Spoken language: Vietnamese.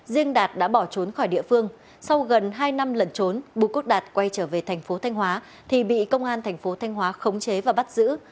riêng đạt đã bỏ trốn khỏi địa phương sau gần hai năm lẩn trốn bùi quốc đạt quay trở về tp thanh hóa thì bị công an tp thanh hóa khống chế và bắt giữ